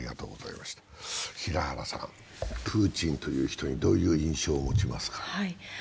プーチンという人にどういう印象を持ちますか？